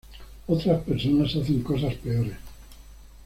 Otras personas hacen cosas peores.